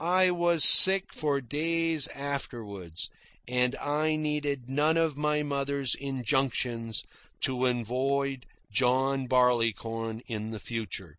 I was sick for days afterward, and I needed none of my mother's injunctions to avoid John Barleycorn in the future.